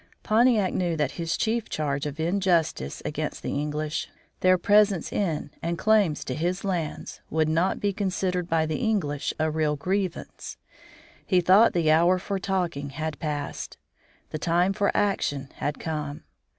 Pontiac knew that his chief charge of injustice against the English, their presence in and claim to his lands, would not be considered by the English a real grievance. He thought the hour for talking had passed; the time for action had come.